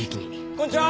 こんちは！